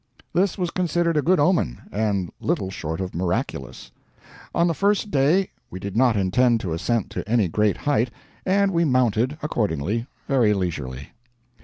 This was considered a good omen, and little short of miraculous. On the first day we did not intend to ascend to any great height, and we mounted, accordingly, very leisurely.